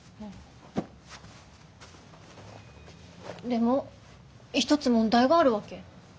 でも一つ問題があるわけ。